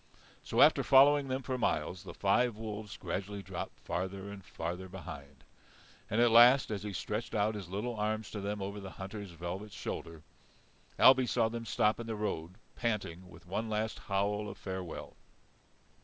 So after following them for miles, the five wolves gradually dropped farther and farther behind. And at last, as he stretched out his little arms to them over the hunter's velvet shoulder, Ailbe saw them stop in the road panting, with one last howl of farewell.